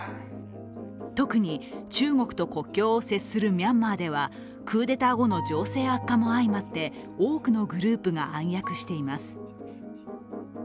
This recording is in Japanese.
特に中国と国境を接するミャンマーではクーデター後の情勢悪化も相まって、多くのグループが暗躍しています。